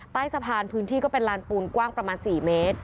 ใต้สะพานพื้นที่ก็เป็นลานปูนกว้างประมาณ๔เมตร